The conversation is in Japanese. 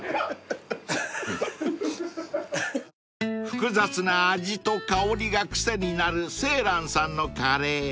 ［複雑な味と香りが癖になる青藍さんのカレー］